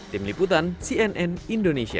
tim liputan cnn indonesia